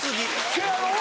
せやろ。